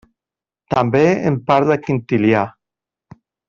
També en parla Quintilià.